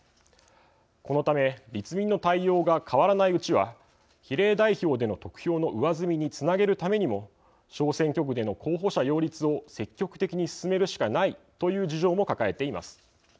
このため、立民の対応が変わらないうちは比例代表での得票の上積みにつなげるためにも小選挙区での候補者擁立を積極的に進めるしかないという事情も抱えています。